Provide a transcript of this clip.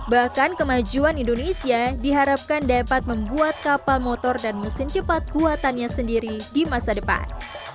bahkan kemajuan indonesia diharapkan dapat membuat kapal motor dan mesin cepat buatannya sendiri di masa depan